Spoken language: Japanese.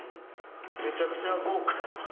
めちゃくちゃ豪華！